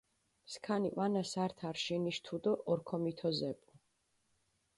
სქანი ჸვანას ართ არშინიში თუდო ორქო მითოზეპუ.